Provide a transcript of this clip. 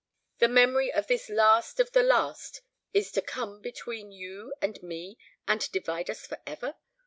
the memory of this last of the last is to come between you and me, and divide us for ever?